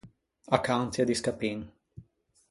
A cantia di scappin.